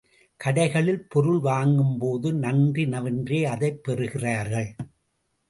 கடைகளில் பொருள் வாங்கும் போது நன்றி நவின்றே அதைப் பெறுகிறார்கள்.